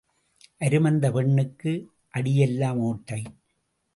அருமந்த பெண்ணுக்கு அடியெல்லாம் ஓட்டை.